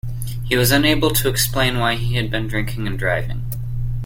He was unable to explain why he had been drinking and driving